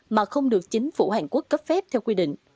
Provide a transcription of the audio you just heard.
mà không được chính phủ hàn quốc cấp phép theo quy định